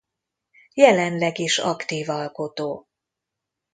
Jelenleg is aktív alkotó.